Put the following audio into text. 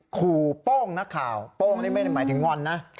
ขู่โป้งนักข่าวโป้งนี่ไม่ได้หมายถึงงอนนะ